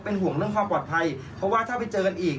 ห่วงเรื่องความปลอดภัยเพราะว่าถ้าไปเจอกันอีก